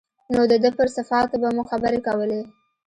نو د ده پر صفاتو به مو خبرې کولې.